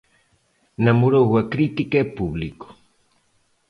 Namorou a crítica e público.